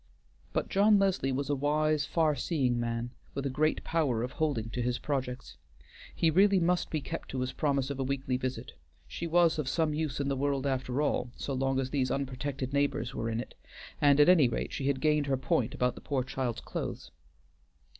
But John Leslie was a wise, far seeing man, with a great power of holding to his projects. He really must be kept to his promise of a weekly visit; she was of some use in the world after all, so long as these unprotected neighbors were in it, and at any rate she had gained her point about the poor child's clothes.